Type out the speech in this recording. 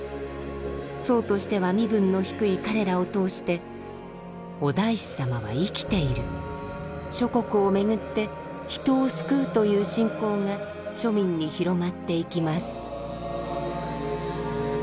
僧としては身分の低い彼らを通してお大師様は生きている諸国を巡って人を救うという信仰が庶民に広まっていきます。